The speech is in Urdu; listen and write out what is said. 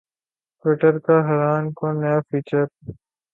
ٹویٹر کا حیران کن نیا فیچر